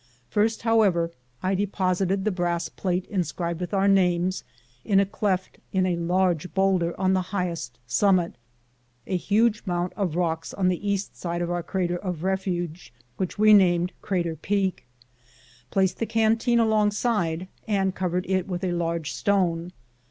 First, however, I deposited the brass plate inscribed with our names in a cleft in a large bowlder on the highest summit, — a huge mount of rocks on the east side of our crater of refuge, which we named Crater Peak, — placed the canteen alongside, and covered it with a large stone.